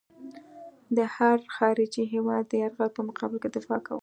د هر خارجي هېواد د یرغل په مقابل کې دفاع کوو.